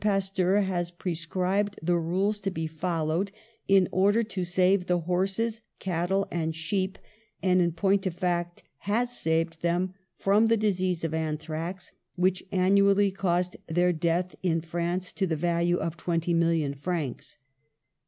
Pasteur has prescribed the rules to be followed in order to save the horses, cattle and sheep, and, in point of fact, has saved them from the disease of anthrax, which annually caused their death in France, to the value of twenty million francs.